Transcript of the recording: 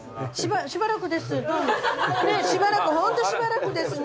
ホントしばらくですね。